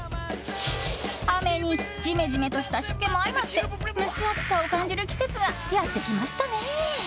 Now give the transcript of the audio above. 雨にジメジメとした湿気も相まって蒸し暑さを感じる季節がやってきましたね。